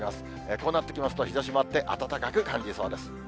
こうなってきますと、日ざしもあって、暖かく感じそうです。